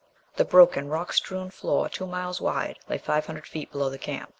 The broken, rock strewn floor, two miles wide, lay five hundred feet below the camp.